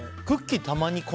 クッキーたまに